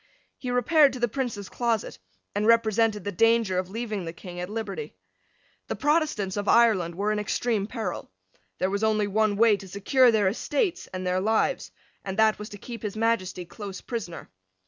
He repaired to the Prince's closet, and represented the danger of leaving the King at liberty. The Protestants of Ireland were in extreme peril. There was only one way to secure their estates and their lives; and that was to keep His Majesty close prisoner.